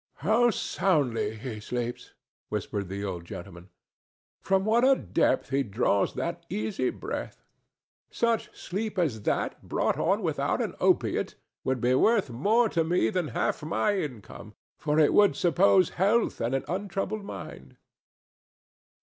"How soundly he sleeps!" whispered the old gentleman. "From what a depth he draws that easy breath! Such sleep as that, brought on without an opiate, would be worth more to me than half my income, for it would suppose health and an untroubled mind."